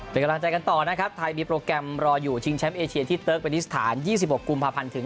เป็นกำลังใจกันต่อนะครับไทยมีโปรแกรมรออยู่ชิงแชมป์เอเชียที่เติร์กเมนิสถาน๒๖กุมภาพันธ์ถึง